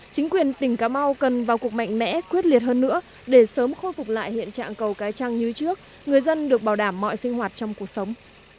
chính quyền tỉnh cà mau cần vào cuộc mạnh mẽ quyết liệt hơn nữa để sớm khôi phục lại hiện trạng cầu cái trăng như trước người dân được bảo đảm mọi sinh hoạt trong cuộc sống